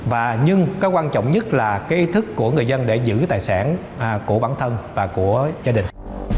và nhưng cái quan trọng nhất là cái ý thức của người dân để giữ tài sản của bản thân và của gia đình